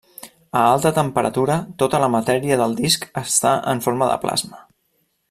A alta temperatura, tota la matèria del disc està en forma de plasma.